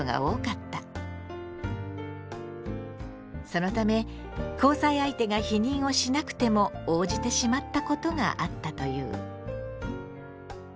そのため交際相手が避妊をしなくても応じてしまったことがあったという。